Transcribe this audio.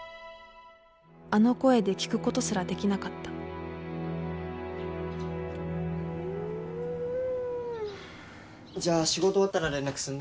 あの声で聞くことすらできなかったじゃあ仕事終わったら連絡するね。